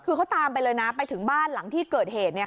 คือเขาตามไปเลยนะไปถึงบ้านหลังที่เกิดเหตุเนี่ย